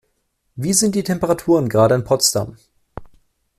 Wie sind die Temperaturen gerade in Potsdam?